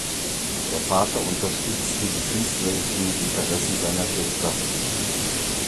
Der Vater unterstützte die künstlerischen Interessen seiner Töchter.